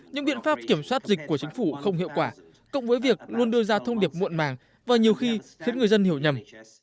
những biện pháp kiểm soát dịch của chính phủ không hiệu quả cộng với việc luôn đưa ra thông điệp muộn màng và nhiều khi khiến người dân hiểu nhầm